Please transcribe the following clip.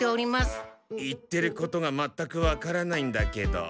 言ってることがまったくわからないんだけど。